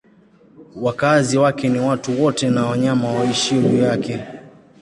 Wakazi wake ni watu wote na wanyama waishio juu yake.